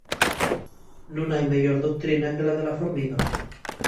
Nun hai meyor doctrina que la de la formiga.